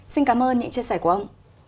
xin cảm ơn những chia sẻ của ông